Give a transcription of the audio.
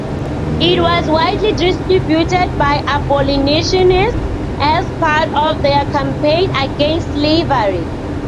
It was widely distributed by abolitionists as part of their campaign against slavery.